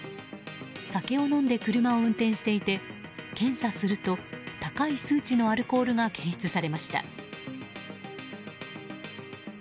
酒を飲んで車を運転していて検査すると高い数値のアルコールが検出されました。